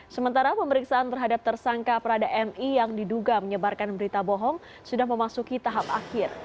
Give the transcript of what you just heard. sementara pemeriksaan terhadap tersangka prada mi yang diduga menyebarkan berita bohong sudah memasuki tahap akhir